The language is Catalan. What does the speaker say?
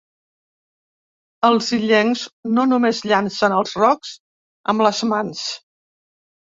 Els illencs no només llancen els rocs amb les mans.